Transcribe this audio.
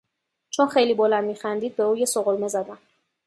چون خیلی بلند میخندید به او یک سقلمه زدم.